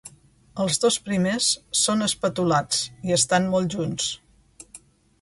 Els dos primers són espatulats i estan molt junts.